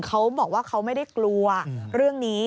เขาบอกว่าเขาไม่ได้กลัวเรื่องนี้